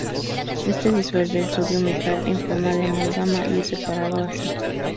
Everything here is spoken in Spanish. Este disuelve el sodio metal en forma de amalgama y es separado así.